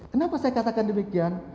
kenapa saya katakan demikian